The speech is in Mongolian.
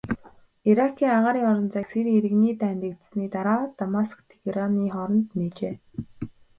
Иракийн агаарын орон зайг Сирийн иргэний дайн дэгдсэний дараа Дамаск-Тегераны хооронд нээжээ.